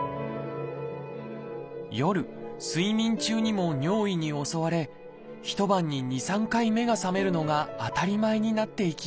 夜睡眠中にも尿意に襲われ一晩に２３回目が覚めるのが当たり前になっていきました。